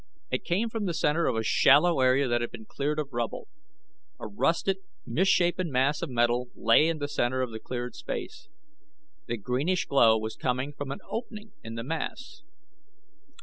It came from the center of a shallow area that had been cleared of rubble. A rusted misshapen mass of metal lay in the center of the cleared space. The greenish glow was coming from an opening in the mass.